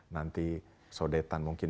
nanti sodetan mungkin